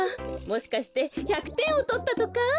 もしかして１００てんをとったとか？